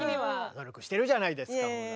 努力してるじゃないですかほら。